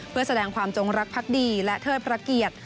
เพื่อแสดงความจงรักพักดีและเทิดพระเกียรติ